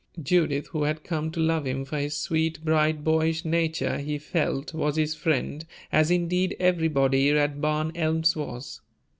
Judith, who had come to love him for his sweet, bright, boyish nature, he felt was his friend, as indeed everybody at Barn Elms was.